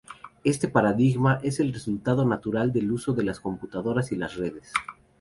Este paradigma es el resultado natural del uso de las computadoras y las redes.